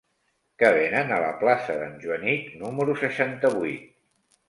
Què venen a la plaça d'en Joanic número seixanta-vuit?